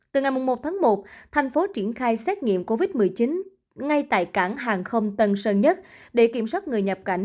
từ ngày một tháng một thành phố triển khai xét nghiệm covid một mươi chín ngay tại cảng hàng không tân sơn nhất để kiểm soát người nhập cảnh